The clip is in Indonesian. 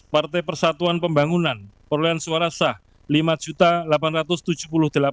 partai persatuan pembangunan perolehan suara sah lima delapan ratus tujuh puluh delapan tujuh ratus tujuh puluh tujuh suara